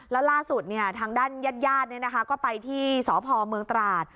แล้วล่าสุดทางด้านญาติก็ไปที่สพเมืองตราด